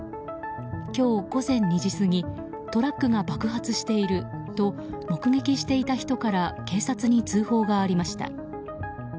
今日午前２時過ぎトラックが爆発していると目撃していた人から警察に通報がありました。